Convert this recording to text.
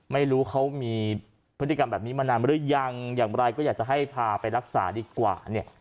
ไม่รู้เขามีพฤติกรรมแบบนี้มานานหรือยังอย่างไรก็อยากจะให้พาไปรักษาดีกว่าเนี่ย